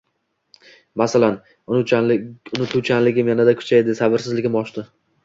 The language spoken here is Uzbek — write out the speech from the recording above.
Masalan, unutuvchanligim yanada kuchaydi, sabrsizligim oshdi.